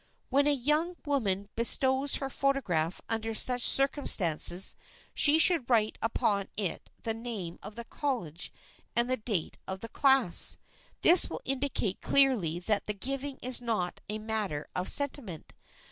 When a young woman bestows her photograph under such circumstances she should write upon it the name of the college and the date of the class. This will indicate clearly that the giving is not a matter of sentiment.